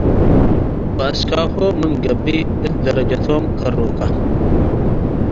ትበአስካሆም ምን ገብእ እት ደረጀቶም ከሩከ።